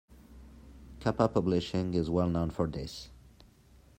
Kappa Publishing is well known for this.